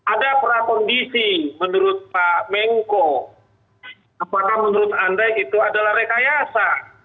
ada prakondisi menurut pak mengko apakah menurut anda itu adalah rekayasa